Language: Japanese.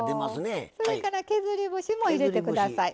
それから削り節も入れてください。